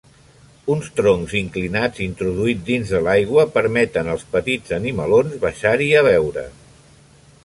Uns troncs inclinats introduïts dins de l'aigua permeten als petits animalons baixar-hi a beure.